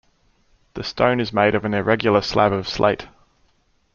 The stone is made of an irregular slab of slate.